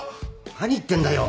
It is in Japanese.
何言ってるんだよ！